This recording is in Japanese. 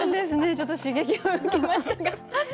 ちょっと刺激を受けましたが。